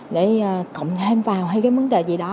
để cộng thêm vào hay mấn đề gì đó